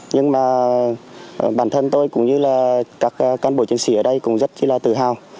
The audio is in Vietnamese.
nhưng mà bản thân tôi cũng như là các cán bộ chiến sĩ ở đây cũng rất là tự hào